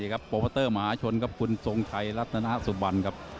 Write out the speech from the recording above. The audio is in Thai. ดีครับโปรเภอร์เตอร์มหาชนครับคุณทรงชัยรัฐนาสุบันครับ